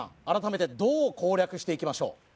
改めてどう攻略していきましょう